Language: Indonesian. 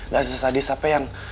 gak sesadis sampe yang